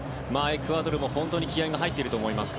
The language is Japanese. エクアドルも本当に気合が入っていると思います。